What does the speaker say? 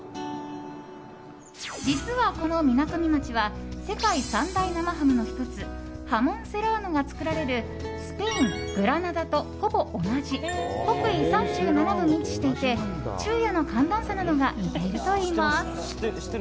実は、このみなかみ町は世界三大生ハムの１つハモンセラーノが作られるスペイン・グラナダとほぼ同じ北緯３７度に位置していて昼夜の寒暖差などが似ているといいます。